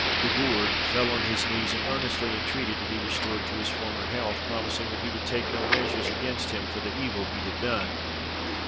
Desbourdes fell on his knees and earnestly entreated to be restored to his former health, promising that he would take no measures against him for the evil he had done.